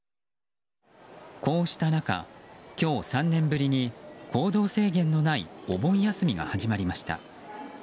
こうした中、今日３年ぶりに行動制限のないお盆休みが始まりました。